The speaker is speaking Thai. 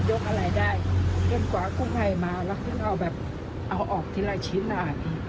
พี่เราก็เอาออกทีละชิ้นมา